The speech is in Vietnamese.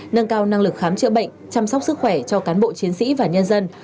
nâng cao năng lực khám chữa bệnh chăm sóc sức khỏe cho cán bộ chiến sĩ và nhân dân